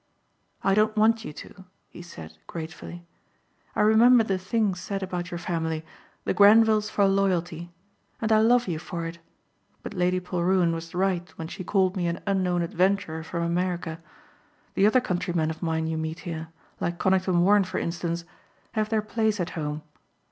"I don't want you to," he said gratefully. "I remember the thing said about your family, 'the Grenvils for Loyalty' and I love you for it, but Lady Polruan was right when she called me an unknown adventurer from America. The other countrymen of mine you meet here, like Conington Warren for instance, have their place at home.